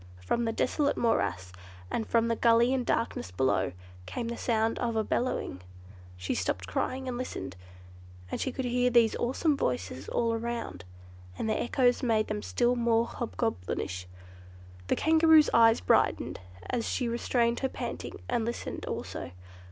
From the desolate morass, and from the gully in darkness below, came the sound of a bellowing. She stopped crying and listened, and could hear those awesome voices all around, and the echoes made them still more hobgoblinish. The Kangaroo's eyes brightened, as she restrained her panting, and listened also.